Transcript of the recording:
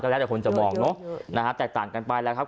แล้วแต่คนจะมองเนอะนะฮะแตกต่างกันไปแล้วครับ